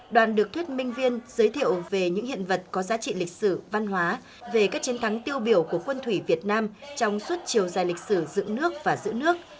đoàn được thuyết minh viên giới thiệu về những hiện vật có giá trị lịch sử văn hóa về các chiến thắng tiêu biểu của quân thủy việt nam trong suốt chiều dài lịch sử dựng nước và giữ nước